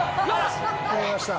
やりました。